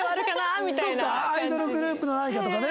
アイドルグループの何かとかね。